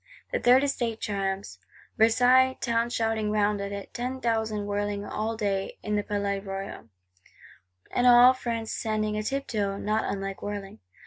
The Third Estate triumphs; Versailles Town shouting round it; ten thousand whirling all day in the Palais Royal; and all France standing a tiptoe, not unlike whirling!